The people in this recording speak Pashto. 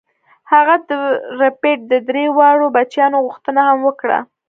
هغه د ربیټ د درې واړو بچیانو غوښتنه هم وکړه